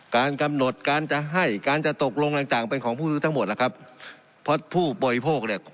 การกำหนดการจะให้การจะตกลงต่างต่างเป็นของผู้รู้ทั้งหมดล่ะครับเพราะผู้บริโภคเนี่ย